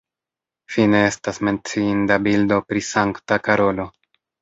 Fine estas menciinda bildo pri Sankta Karolo.